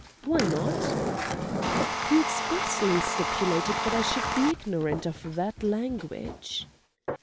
"Why not?" "He expressly stipulated that I should be ignorant of that language."